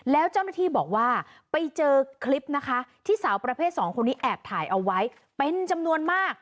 แล้วเจ้าหน้าที่บอกว่าไปเจอคลิปนะคะที่สาวประเภทสองคนนี้แอบถ่ายเอาไว้เป็นจำนวนมาก